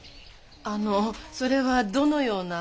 あのそれはどのような？